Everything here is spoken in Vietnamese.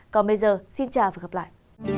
còn bây giờ xin chào và gặp lại